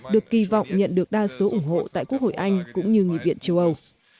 được kỳ vọng nhận được đa số ủng hộ tại quốc hội anh cũng như nghị viện châu âu